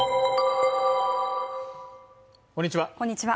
こんにちは